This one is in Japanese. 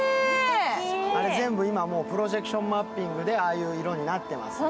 あれ全部、今、プロジェクションマッピングでああいう色になってますね。